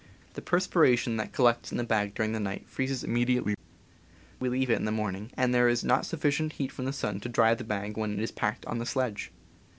The perspiration that collects in the bag during the night freezes immediately we leave it in the morning, and there is not sufiicient heat from the sun to dry the bag when it is packed on the sledge.